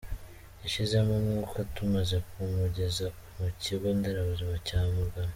Yashizemo umwuka tumaze kumugeza ku Kigo Nderabuzima cya Mugano.